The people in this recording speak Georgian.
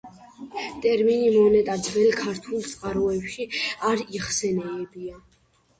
ტერმინი მონეტა ძველ ქართულ წყაროებში არ იხსენიება.